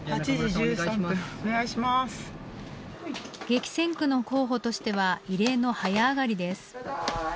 激戦区の候補としては異例の早上がりです。